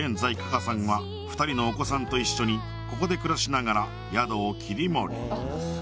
さんは２人のお子さんと一緒にここで暮らしながら宿を切り盛り